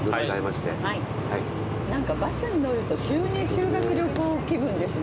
何かバスに乗ると急に修学旅行気分ですね。